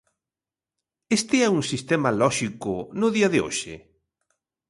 ¿Este é un sistema lóxico no día de hoxe?